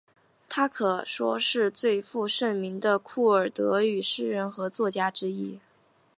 她可说是最负盛名的库尔德语诗人和作家之一。